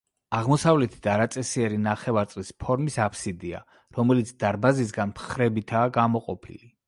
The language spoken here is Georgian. აღმოსავლეთით არაწესიერი ნახევარწრის ფორმის აფსიდია, რომელიც დარბაზისაგან მხრებითაა გამოყოფილი.